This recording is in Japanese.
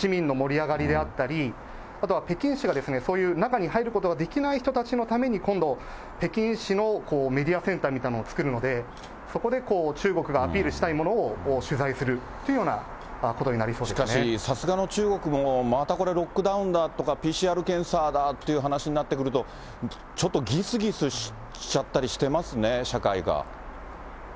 なので、市民の盛り上がりであったり、あとは北京市が、そういう中に入ることができない人たちのために今度、北京市のメディアセンターみたいのを作るので、そこでこう、中国がアピールしたいものを取材するというようなことにしかし、さすがの中国もまたこれ、ロックダウンだとか、ＰＣＲ検査だという話になってくると、ちょっとぎすぎすしちゃったりしてますね、社会が。